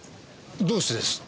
どうしてです？